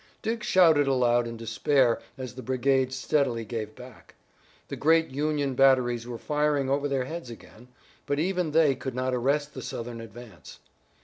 Dick shouted aloud in despair as the brigades steadily gave back. The great Union batteries were firing over their heads again, but even they could not arrest the Southern advance.